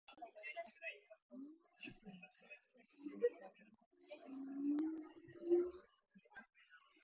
石田三成以外にも、徳川家康のやりたい放題ぶりをよく思わない武将達がいました。会津の「上杉景勝」とその家老「直江兼続」です。